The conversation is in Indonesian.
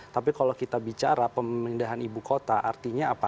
tapi kalau kita bicara pemindahan ibu kota artinya apa